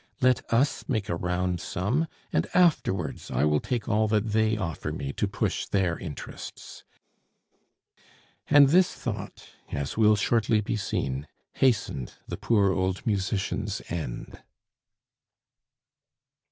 "Let us make a round sum, and afterwards I will take all that they offer me to push their interests;" and this thought, as will shortly be seen, hastened the poor old musician's end.